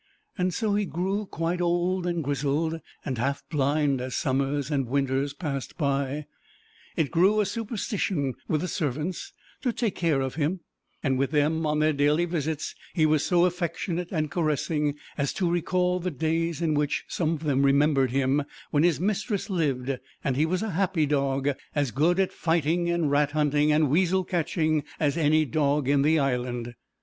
So he grew quite old and grizzled, and half blind as summers and winters passed by. It grew a superstition with the servants to take care of him, and with them on their daily visits he was so affectionate and caressing as to recall the days in which some of them remembered him when his mistress lived, and he was a happy dog, as good at fighting and rat hunting and weasel catching as any dog in the Island.